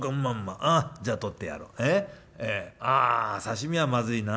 ああ刺身はまずいな。